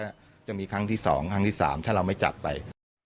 ครั้งแรกจะมีครั้งที่๒ครั้งที่๓ถ้าเราไม่จับไป